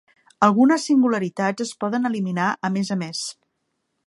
Algunes singularitats es poden eliminar a més a més.